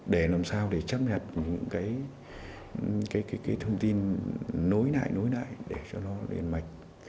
để làm sao để chấp nhận những cái thông tin nối lại nối lại để cho nó lên mạch